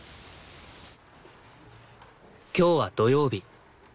今日は土曜日。